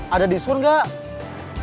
ada diskon gak